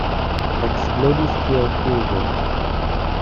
Eksplodis kiel pulvo.